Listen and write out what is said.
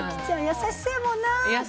優しそうやもんな。